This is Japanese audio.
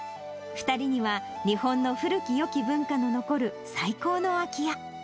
２人には日本の古きよき文化の残る最高の空き家。